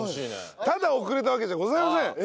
ただ遅れたわけじゃございません。